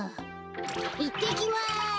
いってきます。